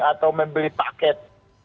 atau membeli paket